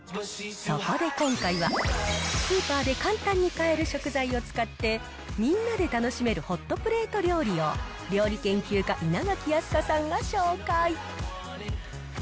そこで今回は、スーパーで簡単に買える食材を使って、みんなで楽しめるホットプレート料理を、料理研究家、稲垣飛鳥さんが紹介。